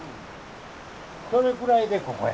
それくらいでここや。